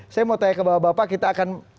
saya mau tanya ke bapak bapak kita akan